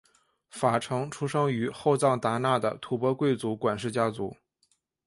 法成出生于后藏达那的吐蕃贵族管氏家族。